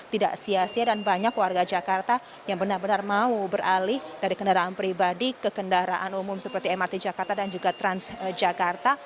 tidak sia sia dan banyak warga jakarta yang benar benar mau beralih dari kendaraan pribadi ke kendaraan umum seperti mrt jakarta dan juga transjakarta